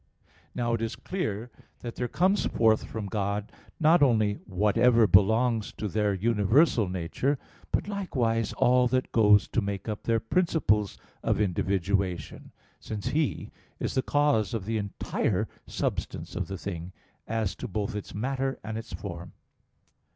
Now it is clear that there comes forth from God not only whatever belongs to their universal nature, but likewise all that goes to make up their principles of individuation; since He is the cause of the entire substance of the thing, as to both its matter and its form.